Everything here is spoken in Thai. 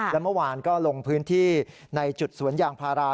และเมื่อวานก็ลงพื้นที่ในจุดสวนยางพารา